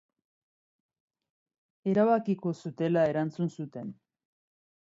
Erabakiko zutela erantzun zuten.